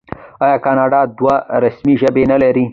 آیا کاناډا دوه رسمي ژبې نلري؟